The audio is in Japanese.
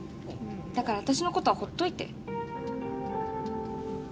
だから私のことはほっといて。